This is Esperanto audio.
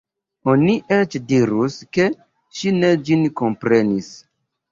Oni eĉ dirus, ke ŝi ne ĝin komprenis.